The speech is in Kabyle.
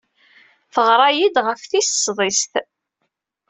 Teɣra-iyi-d ɣef tis sḍiset.